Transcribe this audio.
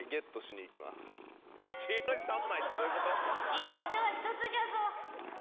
知恵の書は１つじゃぞ！